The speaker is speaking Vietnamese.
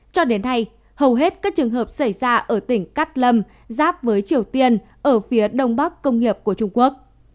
cho đến nay hầu hết các trường hợp xảy ra ở tỉnh cắt lâm giáp với triều tiên ở phía đông bắc công nghiệp của trung quốc